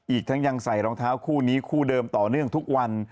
อีกทั้งยังใส่รองเท้าคู่นี้คู่เดิมต่อเนื่องทุกวัน